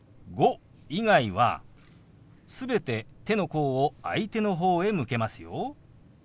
「５」以外は全て手の甲を相手の方へ向けますよ。